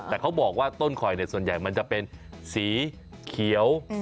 แต่เขาบอกว่าต้นคอยส่วนใหญ่มันจะเป็นสีเขียว